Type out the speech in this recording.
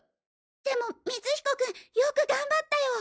でも光彦君よく頑張ったよ。